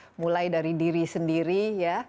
perilaku itu juga mulai dari diri sendiri ya